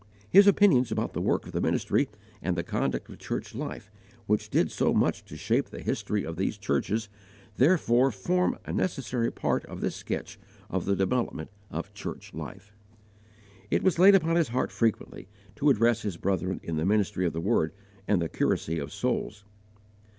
His opinions about the work of the ministry and the conduct of church life, which did so much to shape the history of these churches, therefore form a necessary part of this sketch of the development of church life. It was laid upon his heart frequently to address his brethren in the ministry of the Word and the curacy of souls.